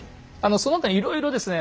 その他いろいろですね